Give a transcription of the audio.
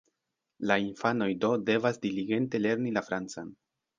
La infanoj do devas diligente lerni la francan.